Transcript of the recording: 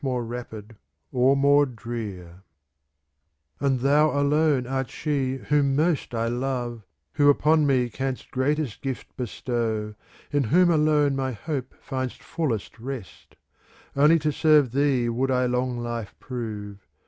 *3 CANZONIERE And thou alone art she whom most I love, *" Who upon me canst greatest gift bestow. In whom alone my hope finds fullest rest : Only to serve thee would I long life prove.